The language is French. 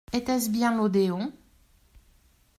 Était-ce bien l’Odéon ?…